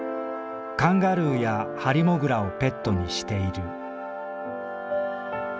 カンガルーやハリモグラをペットにしている」。